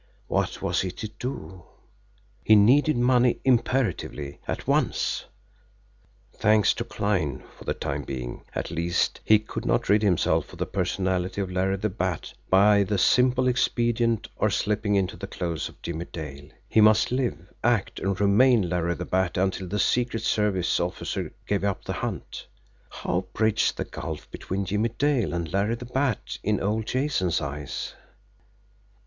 What was he to do? He needed money imperatively at once. Thanks to Kline, for the time being, at least, he could not rid himself of the personality of Larry the Bat by the simple expedient or slipping into the clothes of Jimmie Dale he must live, act, and remain Larry the Bat until the secret service officer gave up the hunt. How bridge the gulf between Jimmie Dale and Larry the Bat in old Jason's eyes!